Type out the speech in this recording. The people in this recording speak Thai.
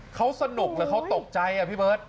เขาสนุกหรือเขาตกใจพี่เบิร์ต